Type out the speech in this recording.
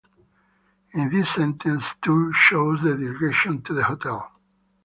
In this sentence, "to" shows the direction to the hotel.